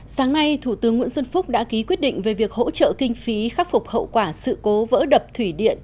sáng nay thủ tướng nguyễn xuân phúc đã ký quyết định về việc hỗ trợ kinh phí khắc phục hậu quả sự cố vỡ đập thủy điện